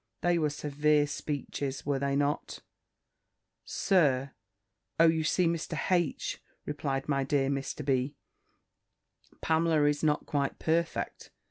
they were severe speeches, were they not, Sir?" "O you see, Mr. H.," replied my dear Mr. B., "Pamela is not quite perfect.